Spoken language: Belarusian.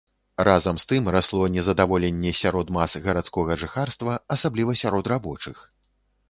Разам з тым расло нездаволенне сярод мас гарадскога жыхарства, асабліва сярод рабочых.